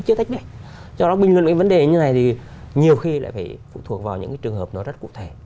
cái tách mạch cho nó bình luận cái vấn đề như này thì nhiều khi lại phải phụ thuộc vào những cái trường hợp nó rất cụ thể